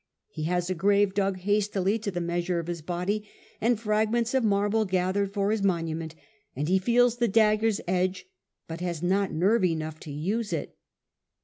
He has a grave dug hastily to the measure of his body, and fragments of marble gathered for his monument, and he feels the dagger's edge, but has not nerve enough to use it.